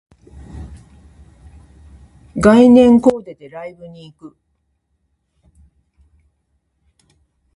概念コーデでライブに行く